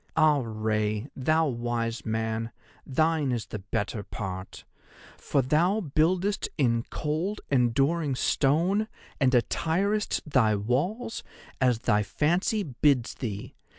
Ah, Rei, thou wise man, thine is the better part, for thou buildest in cold enduring stone and attirest thy walls as thy fancy bids thee.